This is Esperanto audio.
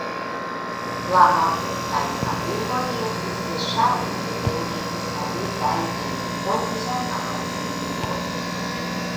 La mortintaj tabuloj estis verŝajne devene instalitaj en horizontala situo.